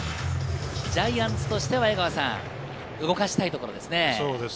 ジャイアンツとしては動かしたいところですね。